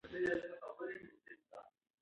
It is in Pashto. په ډېرو کلیو کې لا هم ګډ ژوند رواج دی.